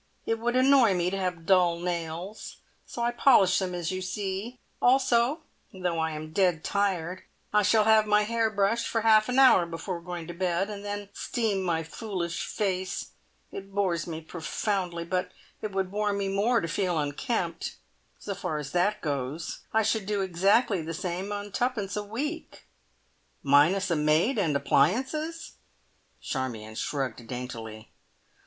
It would annoy me to have dull nails, so I polish them as you see; also, though I am dead tired, I shall have my hair brushed for half an hour before going to bed, and then steam my foolish face. It bores me profoundly, but it would bore me more to feel unkempt. So far as that goes, I should do exactly the same on twopence a week!" "Minus a maid and appliances?" Charmion shrugged daintily.